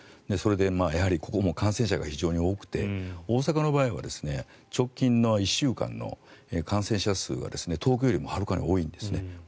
それで、ここも感染者が非常に多くて大阪の場合は直近の１週間の感染者数が東京よりもはるかに多いんですね。